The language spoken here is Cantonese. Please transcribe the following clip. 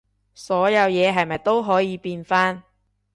所有嘢係咪都可以變返